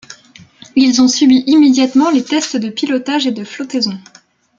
Ils ont subi immédiatement les tests de pilotage et de flottaison.